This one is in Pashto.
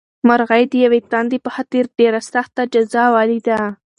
مرغۍ د یوې تندې په خاطر ډېره سخته جزا ولیده.